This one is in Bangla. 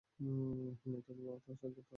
মেয়েটা তার মা, সাজ্জাদ তার বাবা।